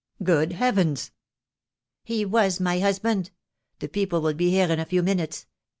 "Good Heavens!" "He was my husband. The people will be here in a few minutes.